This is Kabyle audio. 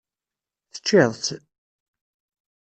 Teččiḍ-tt?